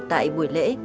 tại buổi lễ